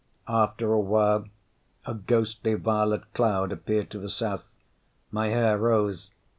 After a while a ghostly violet cloud appeared to the south. My hair rose.